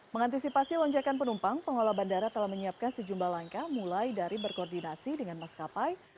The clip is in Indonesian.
mengantisipasi lonjakan penumpang pengelola bandara telah menyiapkan sejumlah langkah mulai dari berkoordinasi dengan maskapai